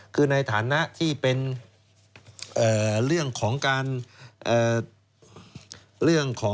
คือในฐานะที่เป็นเรื่องของการ